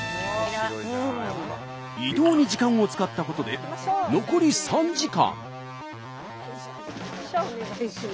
移動に時間を使ったことで残り３時間。